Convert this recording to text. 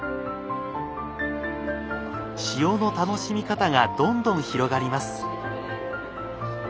塩の楽しみ方がどんどん広がります。